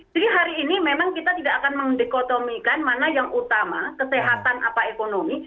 jadi hari ini memang kita tidak akan mendekotomikan mana yang utama kesehatan apa ekonomi